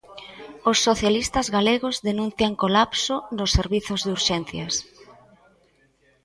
Os socialistas galegos denuncian colapso nos servizos de urxencias.